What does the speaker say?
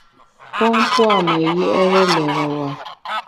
Pon pua’ me yié’re lérewa.